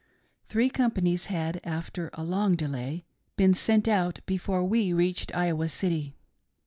" Three companies had, after a long delay, teen sent out before we reached Iowa City.